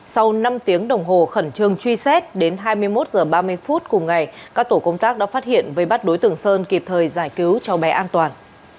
sau năm tiếng đồng hồ khẩn trương truy xét đến hai mươi một h ba mươi phút cùng ngày các tổ công tác đã phát hiện với bắt đối tượng sơn kịp thời giải cứu cháu bé an toàn